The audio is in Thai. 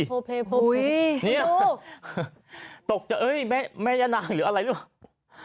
โอ๊ยดูนี่ตกเจอเอ้ยแม่ญ่านางหรืออะไรหรือวะ